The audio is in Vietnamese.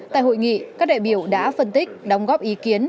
tại hội nghị các đại biểu đã phân tích đóng góp ý kiến